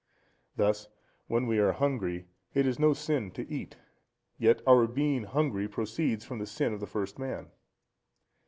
Thus, when we are hungry, it is no sin to eat; yet our being hungry proceeds from the sin of the first man.